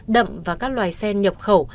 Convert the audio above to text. đậm và các loài sen nhập khẩu